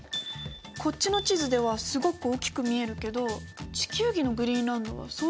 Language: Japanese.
こっちの地図ではすごく大きく見えるけど地球儀のグリーンランドはそうでもないみたい。